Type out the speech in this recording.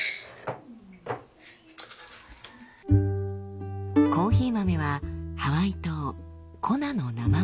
コーヒー豆はハワイ島コナの生豆。